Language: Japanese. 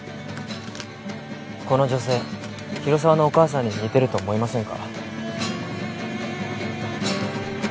この女性広沢のお母さんに似てると思いませんか？